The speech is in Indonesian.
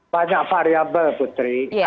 banyak variable putri